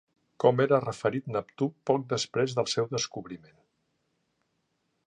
Com era referit Neptú poc després del seu descobriment?